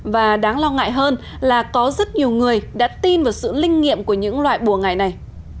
và đáng lo ngại hơn là có rất nhiều người đã tin vào sự linh nghiệm của những loại bùa ngải này